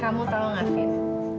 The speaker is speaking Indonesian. kamu tau gak vin